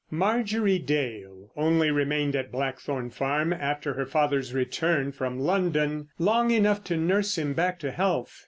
Marjorie Dale only remained at Blackthorn Farm after her father's return from London long enough to nurse him back to health.